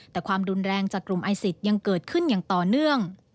แต่ความรุนแรงจากกลุ่มไอซิสยังเกิดขึ้นอย่างต่อเนื่อง